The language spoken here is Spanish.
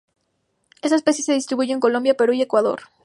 Esta especie se distribuye en Colombia, Perú y Ecuador.